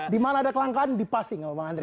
dimana ada kelangkaan dipasing sama bang andri